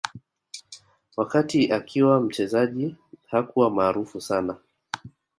Wakati akiwa mchezaji hakuwa maarufu sana